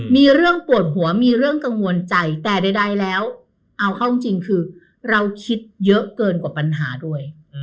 มีเรื่องปวดหัวมีเรื่องกังวลใจแต่ใดแล้วเอาเข้าจริงคือเราคิดเยอะเกินกว่าปัญหาด้วย